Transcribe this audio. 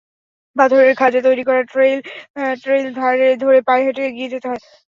পাথরের খাঁজে তৈরি করা ট্রেইল ধরে পায়ে হেঁটে এগিয়ে যেতে হয়।